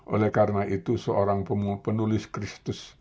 oleh karena itu seorang penulis kristus